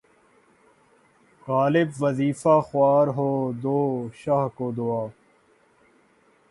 غالبؔ! وظیفہ خوار ہو‘ دو شاہ کو دعا